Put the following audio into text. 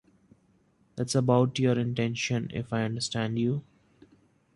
That's about your intention, if I understand you?